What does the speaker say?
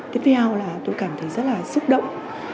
tiếp theo là tôi cảm thấy rất là xúc động